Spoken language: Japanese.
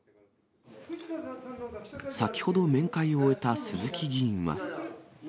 先ほど面会を終えた鈴木議員は。